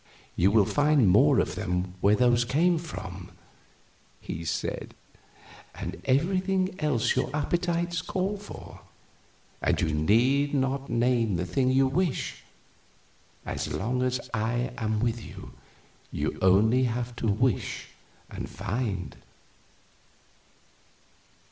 "You will find them where those came from," he said, "and everything else your appetites call for; and you need not name the thing you wish; as long as I am with you, you have only to wish and find."